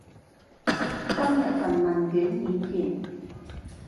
今日份問卷已填